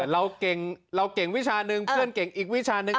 เราเก่งเราเก่งวิชาหนึ่งเพื่อนเก่งอีกวิชาหนึ่ง